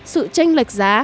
sự tranh lệch giá